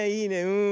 うん。